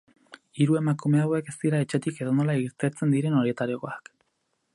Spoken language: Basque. Hiru emakume hauek ez dira etxetik edonola irtetzen diren horietakoak.